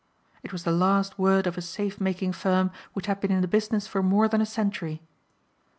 It was the last word of a safemaking firm which had been in the business for more than a century.